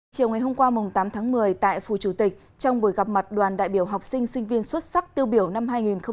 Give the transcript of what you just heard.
chiều ngày hôm qua tám tháng một mươi tại phù chủ tịch trong buổi gặp mặt đoàn đại biểu học sinh sinh viên xuất sắc tiêu biểu năm hai nghìn một mươi chín